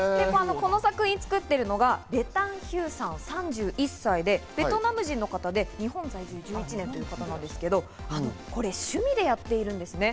この作品を作っているのがレタン・ヒューさん、ベトナム人の方で日本在住１１年ということですけど、趣味でやっているんですね。